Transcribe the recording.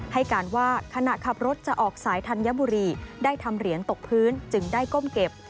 ให้การว่าขณะขับรถจะออกสายธัญบุรีได้ทำเหรียญตกพื้นจึงได้ก้มเก็บ